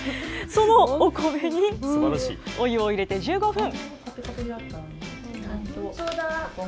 そのお米に、お湯を入れて１５分。